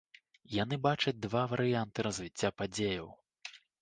Яны бачаць два варыянты развіцця падзеяў.